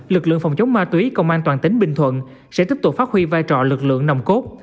lực lượng phòng chống ma túy công an toàn tỉnh bình thuận sẽ tiếp tục phát huy vai trò lực lượng nồng cốt